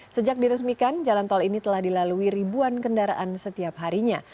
sejak diresmikan jalan tol ini telah dilalui ribuan kendaraan setiap harinya